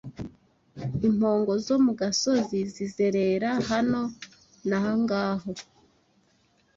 Impongo zo mu gasozi, zizerera hano na ngaho